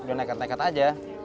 udah nekat nekat aja